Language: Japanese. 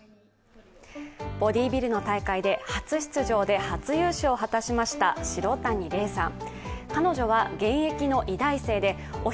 ボディビルの大会で、初出場、初優勝を果たしました城谷怜さん。